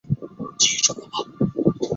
普通田鼠为仓鼠科田鼠属的动物。